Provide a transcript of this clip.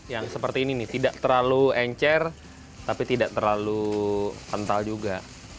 yang seperti ini nih tidak terlalu encer tapi tidak terlalu kental juga